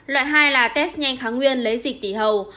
loại hai là test nhanh kháng nguyên lấy dịch tỷ hầu